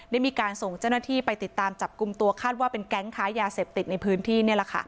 ได้มีการส่งเจ้าหน้าที่ไปติดตามจับกลุ่มตัวคาดว่าเป็นแก๊งค้ายาเสพติดในพื้นที่นี่แหละค่ะ